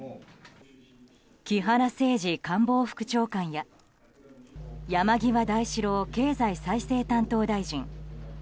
木原誠二官房副長官や山際大志郎経済再生担当大臣。